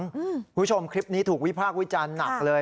คุณผู้ชมคลิปนี้ถูกวิพากษ์วิจารณ์หนักเลย